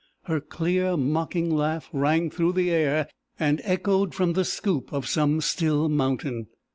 Her clear mocking laugh rang through the air, and echoed from the scoop of some still mountain.